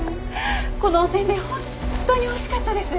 このおせんべいほんっとにおいしかったです！